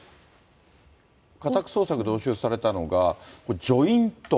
家宅捜索で押収されたのが、これ、ジョイント。